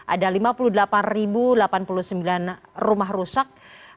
ada lima puluh delapan delapan puluh sembilan rumah rusak